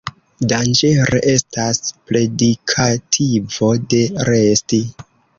Danĝere estas predikativo de resti.